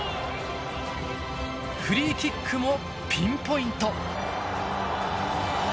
フリーキックもピンポイント。